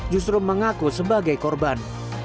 justru mengaku sebagai korban